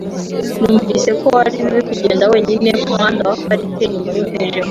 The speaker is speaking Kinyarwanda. Numvise ko ari bibi kugenda wenyine ku muhanda wa Park nyuma y'umwijima.